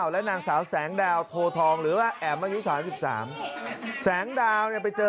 และนางสาวแสงดาวโททองหรือว่าแอ๋มอายุ๓๓แสงดาวเนี่ยไปเจอ